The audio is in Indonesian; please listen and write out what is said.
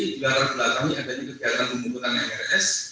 di latar belakangnya ada kegiatan pembunuhan mrs